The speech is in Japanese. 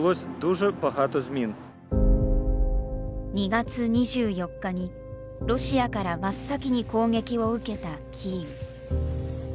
２月２４日にロシアから真っ先に攻撃を受けたキーウ。